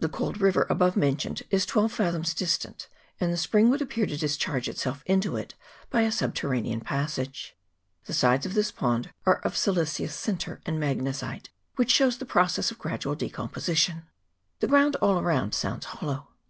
The cold river above mentioned is twelve fathoms distant, and the spring would appear to discharge itself into it by a subter ranean passage. The sides of this pond are of sili ceous sinter and magnesite, which shows the process of gradual deposition. The ground all around sounds hollow.